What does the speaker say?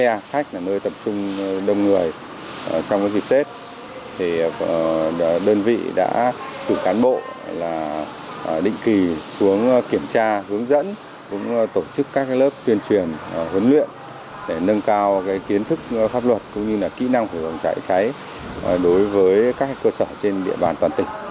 bến xe khách là nơi tập trung đông người trong dịp tết thì đơn vị đã từ cán bộ định kỳ xuống kiểm tra hướng dẫn tổ chức các lớp tuyên truyền huấn luyện để nâng cao kiến thức pháp luật cũng như kỹ năng phòng cháy cháy đối với các cơ sở trên địa bàn toàn tỉnh